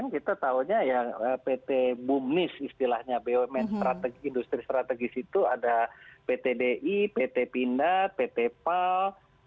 kita tahunya ya pt bumis istilahnya bumn industri strategis itu ada pt di pt pindad pt pal